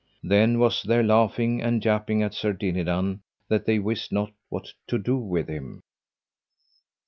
Then was there laughing and japing at Sir Dinadan, that they wist not what to do with him.